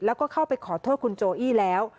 แล้วก็เข้าไปขอโทษคุณโจอี้แล้ว